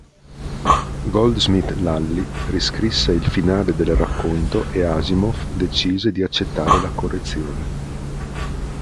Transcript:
Goldsmith Lalli riscrisse il finale del racconto e Asimov decise di accettare la correzione.